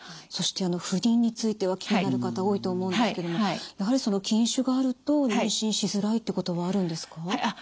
そして不妊については気になる方多いと思うんですけどもやはりその筋腫があると妊娠しづらいっていうことがあるんですか？